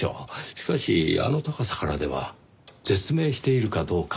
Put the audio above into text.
しかしあの高さからでは絶命しているかどうかわからない。